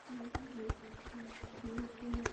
তাহলে আলো কি কোনো কণা?